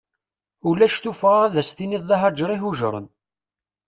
Ulac tuffɣa ad as-tiniḍ d ahajer ihujren.